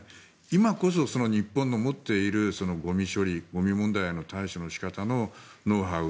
今こそ日本の持っているゴミ処理、ゴミ問題の対処の仕方のノウハウ